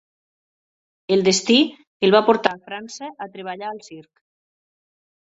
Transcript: El destí el va portar a França a treballar al circ.